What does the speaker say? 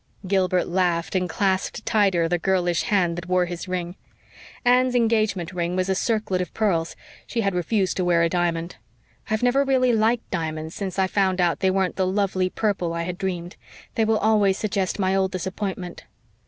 Gilbert laughed and clasped tighter the girlish hand that wore his ring. Anne's engagement ring was a circlet of pearls. She had refused to wear a diamond. "I've never really liked diamonds since I found out they weren't the lovely purple I had dreamed. They will always suggest my old disappointment."